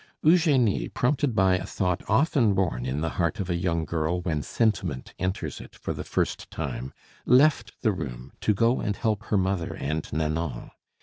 Eugenie, prompted by a thought often born in the heart of a young girl when sentiment enters it for the first time, left the room to go and help her mother and Nanon.